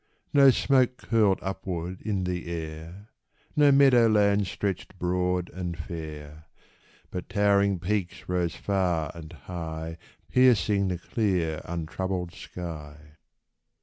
No smoke curled upward in the air, No meadow lands stretched broad and fair ; But towering peaks rose far and high. Piercing the clear, untroubled sky.